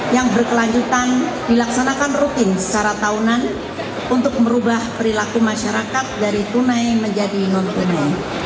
yang berkelanjutan dilaksanakan rutin secara tahunan untuk merubah perilaku masyarakat dari tunai menjadi non tunai